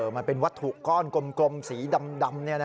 มันเป็นวัตถุก้อนกลมสีดำเนี่ยนะ